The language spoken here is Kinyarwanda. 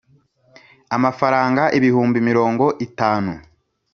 Amafaranga ibihumbi mirongo itanu